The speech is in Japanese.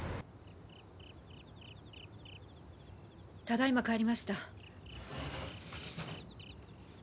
ただいま帰りました